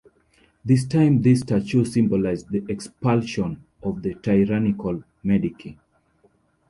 This time, this statue symbolized the expulsion of the tyrannical Medici.